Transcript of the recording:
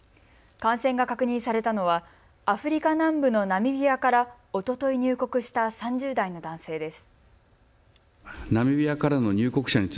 感染が確認されたのはアフリカ南部のナミビアからおととい入国した３０代の男性です。